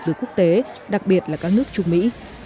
từ quốc tế đặc biệt là các nước trung mỹ